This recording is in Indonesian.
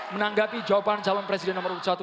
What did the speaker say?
menanggapi jawaban calon presiden nomor satu